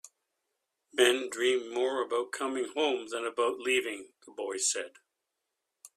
"Men dream more about coming home than about leaving," the boy said.